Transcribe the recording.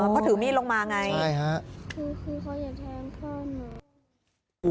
เขาถือมีดลงมาไงใช่ฮะคือเขาอยากแทงพ่อหนู